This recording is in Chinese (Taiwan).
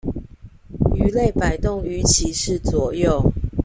魚類擺動尾鰭是左右